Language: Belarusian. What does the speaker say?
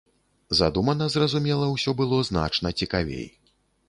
Задумана, зразумела, усё было значна цікавей.